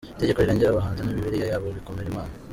Itegeko rirengera abahanzi ni yo Bibiliya yabo Bikorimana